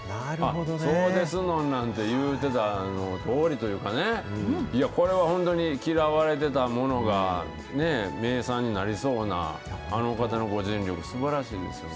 そうですのなんて言うてたとおりというかね、これは本当に、嫌われてたものがね、名産になりそうな、あの方のご尽力、すばらしいですよね。